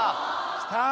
きた！